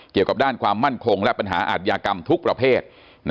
เกี่ยวกับด้านความมั่นคงและปัญหาอาทยากรรมทุกประเภท